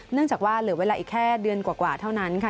เนื่องจากว่าเหลือเวลาอีกแค่เดือนกว่าเท่านั้นค่ะ